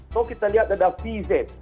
kalau kita lihat ada vz